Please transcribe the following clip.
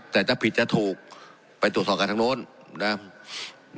แต่จะผิดจะถูกไปตรวจสอบกันทางโน้นนะครับ